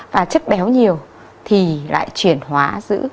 và chất béo nhiều thì lại chuyển hóa giữ